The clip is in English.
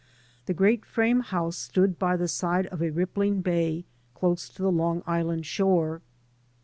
The great frame house stood by the side of a rippling bay close to the Long Island shore.